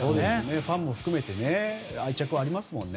ファンも含めて愛着ありますもんね。